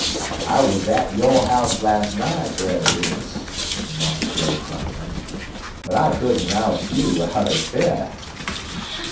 "I wuz at yo' house las' night, Brer Remus," remarked Brer John Henry, "but I couldn't roust you outer bed."